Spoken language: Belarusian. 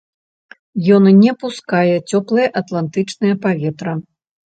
Ён не пускае цёплае атлантычнае паветра.